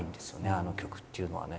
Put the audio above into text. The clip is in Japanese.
あの曲っていうのはね